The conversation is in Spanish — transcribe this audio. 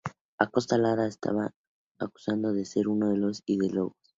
Acosta y Lara estaba acusado de ser uno de los ideólogos.